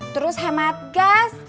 terus hemat gas